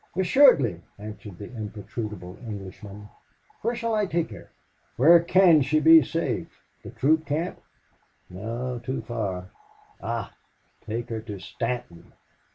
"Assuredly," answered the imperturbable Englishman. "Where shall I take her?" "Where CAN she be safe? The troop camp? No, too far,... Aha! take her to Stanton.